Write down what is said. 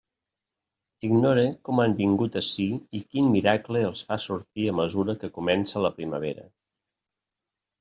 Ignore com han vingut ací i quin miracle els fa sortir a mesura que comença la primavera.